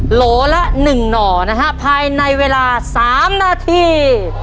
โหลละหนึ่งหน่อนะฮะภายในเวลาสามนาที